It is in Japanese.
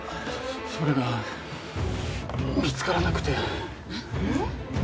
それが見つからなくてえっ？